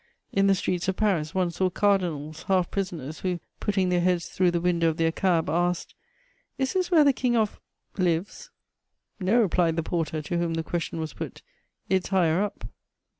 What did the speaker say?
In the streets of Paris, one saw cardinals, half prisoners, who, putting their heads through the window of their cab, asked: "Is this where the King of lives?" "No," replied the porter to whom the question was put, "it's higher up."